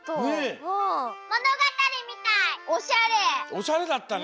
おしゃれだったね。